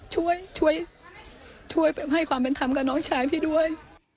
ช่วยช่วยให้ความเป็นธรรมกับน้องชายพี่ด้วย